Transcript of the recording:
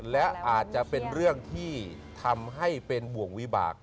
และอาจจะเป็นเรื่องที่ทำให้เป็นบ่วงวิบาก